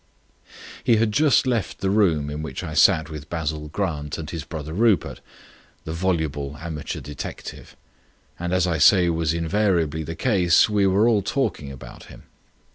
He had just left the room in which I sat with Basil Grant and his brother Rupert, the voluble amateur detective. And as I say was invariably the case, we were all talking about him.